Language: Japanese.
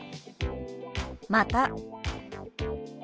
「また」。